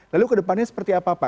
lalu kedepannya seperti apa pak